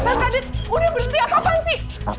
kak radit udah berhenti apaan sih